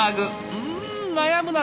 うん悩むなあ。